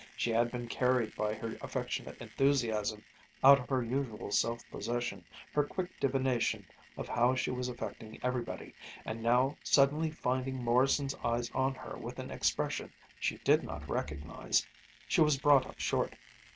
She had been carried by her affectionate enthusiasm out of her usual self possession, her quick divination of how she was affecting everybody, and now, suddenly finding Morrison's eyes on her with an expression she did not recognize, she was brought up short.